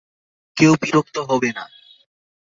কেউ বিরক্ত হবে না।